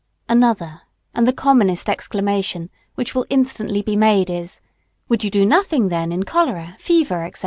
Another and the commonest exclamation which will be instantly made is Would you do nothing, then, in cholera, fever, &c.?